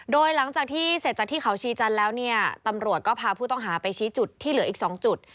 โดยหลังจากที่เสร็จจากที่เขาชีจันทร์แล้วเนี่ยตำรวจก็พาผู้ต้องหาไปชี้จุดที่เหลืออีก๒จุด